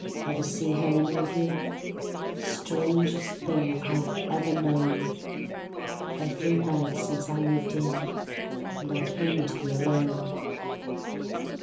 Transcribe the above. Ever see her, any of you? Strangest thing I've ever known, Every night since I moved in, And I came to be alone.